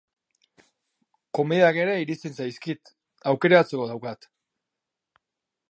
Komediak ere iristen zaizkit, aukeratzeko daukat.